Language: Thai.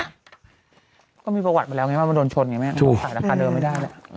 มันก็มีประวัติไปแล้วไหมว่ามันโดนชนใช่ไหมใช้ลักษณะเดิมไม่ได้แหละ